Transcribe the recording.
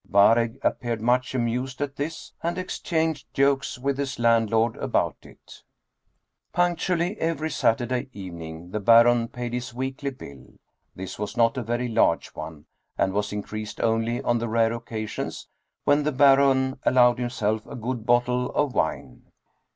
Waregg appeared much amused at this, and exchanged jokes with his land lord about it Punctually every Saturday evening the Baron paid his weekly bill. This was not a very large one, and was in 20 Dietrich Theden creased only on the rare occasions when the Baron allowed himself a good bottle of wine.